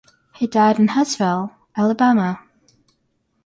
He died in Huntsville, Alabama.